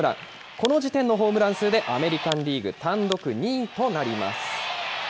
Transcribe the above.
この時点のホームラン数でアメリカンリーグ単独２位となります。